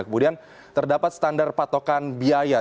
kemudian terdapat standar patokan biaya